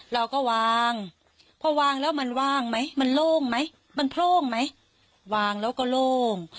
เราก็วางพอวางแล้วมันว่างไหมมันโล่งไหมมันโล่งไหมวางแล้วก็โล่ง